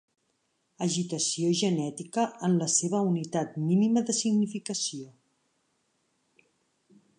Agitació genètica en la seva unitat mínima de significació.